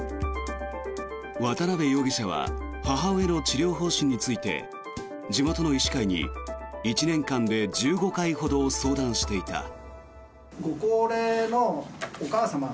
渡辺容疑者は母親の治療方針について地元の医師会に１年間で１５回ほど相談していた。